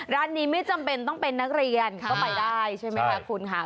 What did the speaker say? ร้านนี้ไม่จำเป็นต้องเป็นนักเรียนก็ไปได้ใช่ไหมคะคุณค่ะ